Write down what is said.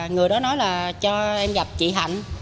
người đó nói là cho em gặp chị thạnh